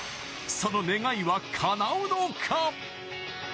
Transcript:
その願いは、かなうのか。